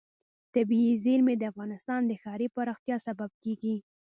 طبیعي زیرمې د افغانستان د ښاري پراختیا سبب کېږي.